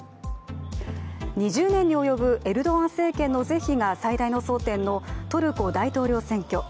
２０年に及ぶエルドアン政権の是非が最大の争点のトルコ大統領選挙。